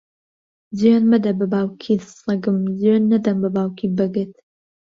جوێن مەدە بە باوکی سەگم، جوێن نەدەم بە باوکی بەگت.